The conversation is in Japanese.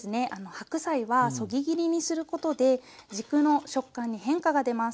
白菜はそぎ切りにすることで軸の食感に変化が出ます。